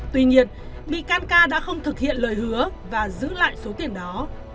tuy nhiên bị can ca đã không thực hiện lời hứa và giữ lại số tiền đó